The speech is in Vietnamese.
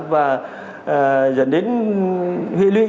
và dẫn đến huy lụy